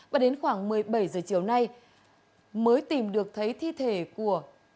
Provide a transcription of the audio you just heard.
và đến khoảng một mươi bảy giờ chiều nay